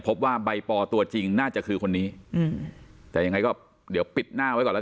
พบว่าใบปอตัวจริงน่าจะคือคนนี้อืมแต่ยังไงก็เดี๋ยวปิดหน้าไว้ก่อนแล้ว